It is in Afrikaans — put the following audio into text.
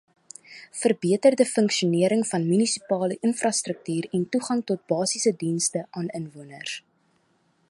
Verbeterde funksionering van munisipale infrastruktuur en toegang tot basiese dienste aan inwoners.